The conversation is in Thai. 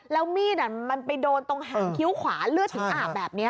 แล้วมีดมันไปโดนตรงหางคิ้วขวาเลือดถึงอาบแบบนี้